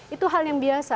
itu hal yang biasa